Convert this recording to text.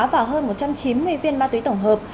một trăm chín mươi viên ma tùy tổng hợp